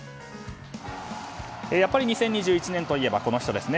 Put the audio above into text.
やっぱり２０２１年といえばこの人ですね。